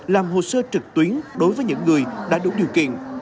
làm hồ sơ trực tuyến đối với những người đã đủ điều kiện